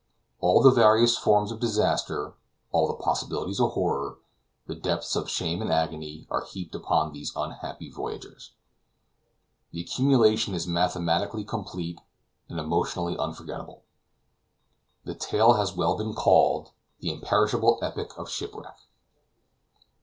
All the various forms of disaster, all the possibilities of horror, the depths of shame and agony, are heaped upon these unhappy voyagers. The accumulation is mathematically complete and emotionally unforgettable. The tale has well been called the "imperishable epic of shipwreck."